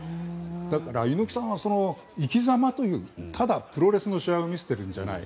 だから、猪木さんの生きざまというよりただプロレスの試合を見せてるんじゃない。